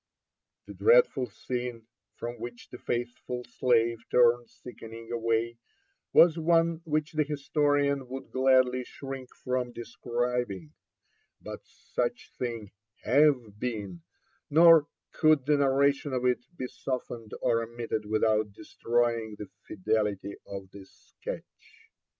The dreadful scene from which the faithful slave turned sickening away was one which the historian would gladly shrink from describ 844 LIFE AND ADVENTURES OF ing ; but such things have been, nor could the narrkUon of it be softened or omitted without destroying the fidelity of the '^sketch."